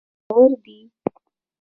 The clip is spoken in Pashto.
خوندور دي.